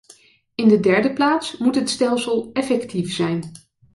In de derde plaats moet het stelsel effectief zijn.